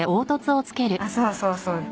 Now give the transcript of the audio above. あっそうそうそう。